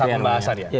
saat pembahasan ya